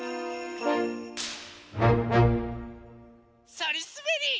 そりすべり。